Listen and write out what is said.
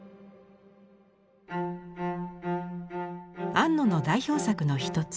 安野の代表作の一つ